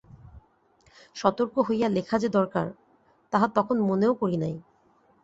সতর্ক হইয়া লেখা যে দরকার তাহা তখন মনেও করি নাই।